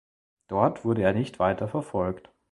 Dort wurde er nicht weiter verfolgt.